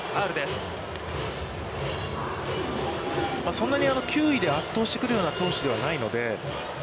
そんなに球威で圧倒してくる投手ではないので。